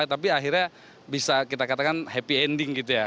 tapi akhirnya bisa kita katakan happy ending gitu ya